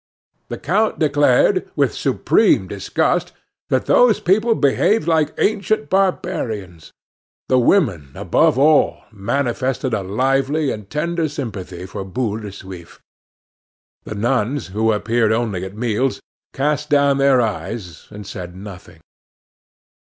The count declared, with supreme disgust, that those people behaved like ancient barbarians. The women, above all, manifested a lively and tender sympathy for Boule de Suif. The nuns, who appeared only at meals, cast down their eyes, and said nothing.